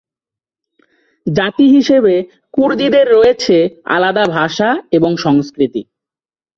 জাতি হিসেবে কুর্দিদের রয়েছে আলাদা ভাষা এবং সংস্কৃতি।